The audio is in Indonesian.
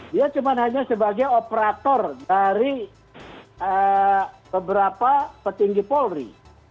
dia cuma hanya sebagai operator dari beberapa petinggi polri